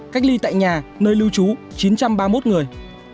cách ly tại nhà nơi lưu trú chín trăm ba mươi một người